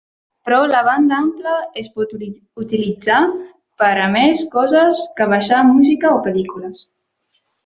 Però la banda ampla es pot utilitzar per a més coses que baixar música o pel·lícules.